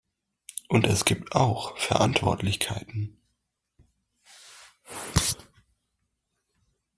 Und es gibt auch Verantwortlichkeiten.